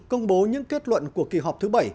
công bố những kết luận của kỳ họp thứ bảy